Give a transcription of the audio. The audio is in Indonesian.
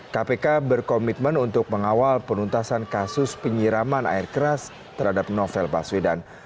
kpk berkomitmen untuk mengawal penuntasan kasus penyiraman air keras terhadap novel baswedan